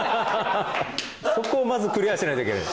そこをまずクリアしないといけない。